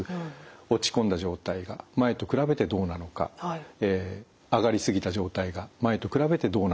落ち込んだ状態が前と比べてどうなのか上がり過ぎた状態が前と比べてどうなのかってことが一つ。